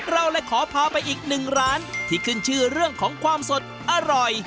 เราเลยขอพาไปอีกหนึ่งร้านที่ขึ้นชื่อเรื่องของความสดอร่อย